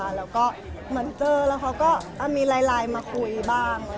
แล้วก็เหมือนเจอแล้วเขาก็มีไลน์มาคุยบ้าง